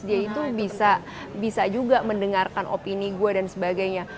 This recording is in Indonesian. dia itu bisa juga mendengarkan opini gue dan sebagainya